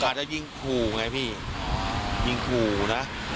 เขาจะยิงคู่ไงพี่ยิงคู่นะ